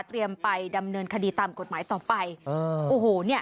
เตรียมไปดำเนินคดีตามกฎหมายต่อไป